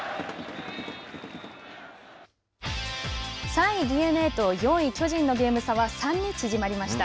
３位ＤｅＮＡと４位巨人のゲーム差は３に縮まりました。